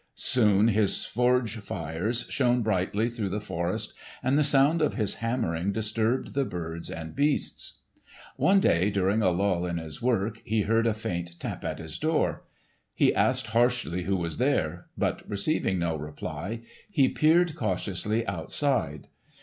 Soon his forge fires shone brightly through the forest, and the sound of his hammering disturbed the birds and beasts. One day during a lull in his work he heard a faint tap at his door. He asked harshly who was there, but receiving no reply he peered cautiously outside.